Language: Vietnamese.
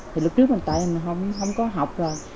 thì lúc trước mình tại mình không có học rồi